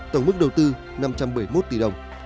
tổng mức đầu tư năm trăm bảy mươi một tỷ đồng